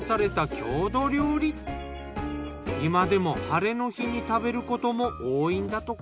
今でも晴れの日に食べることも多いんだとか。